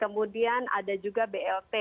kemudian ada juga blp